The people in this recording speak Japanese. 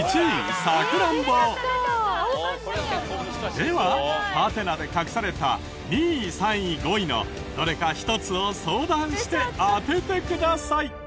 ではハテナで隠された２位３位５位のどれか１つを相談して当ててください。